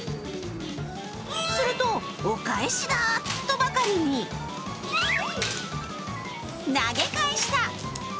すると、お返しだとばかりに投げ返した。